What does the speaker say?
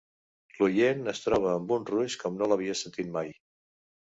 L'oient es troba amb un Rush com no l'havia sentit mai.